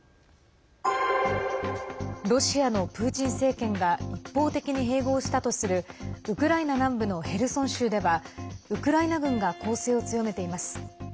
ロシアのプーチン政権が一方的に併合したとするウクライナ南部のヘルソン州ではウクライナ軍が攻勢を強めています。